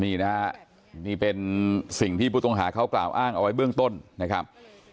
นี่นะฮะนี่เป็นสิ่งที่ผู้ต้องหาเขากล่าวอ้างเอาไว้เบื้องต้นนะครับ